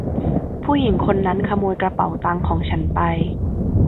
ผู้หญิงคนนั้นขโมยกระเป๋าตังค์ของฉันไป !